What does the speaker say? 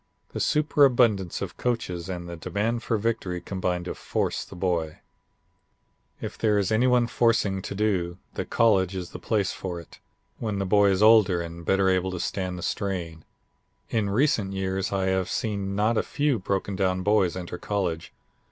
The superabundance of coaches and the demand for victory combine to force the boy. "If there is any forcing to do, the college is the place for it, when the boy is older and better able to stand the strain. In recent years I have seen not a few brokendown boys enter college.